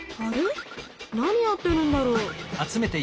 何やってるんだろう。